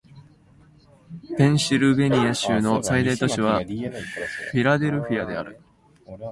ペンシルベニア州の最大都市はフィラデルフィアである